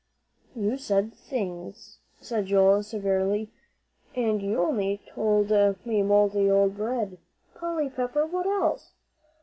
_'" "You said 'things,'" said Joel, severely, "and you only told me mouldy old bread, Polly Pepper! What else?"